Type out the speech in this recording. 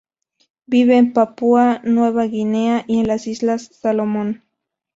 Vive en Papúa Nueva Guinea y en las Islas Salomón.